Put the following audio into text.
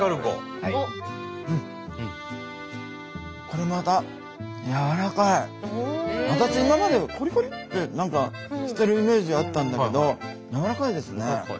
これまた私今までコリコリって何かしてるイメージあったんだけどやわらかいですね。